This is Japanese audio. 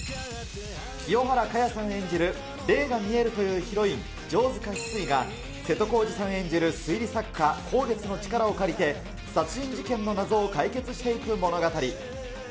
清原果耶さん演じる、霊が見えるというヒロイン、城塚翡翠が、瀬戸康史さん演じる推理作家、香月の力を借りて、殺人事件の謎を解決していく物語。